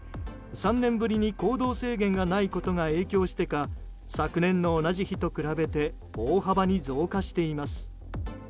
３年ぶりに行動制限がないことが影響してか昨年の同じ日と比べて大幅に増加しています。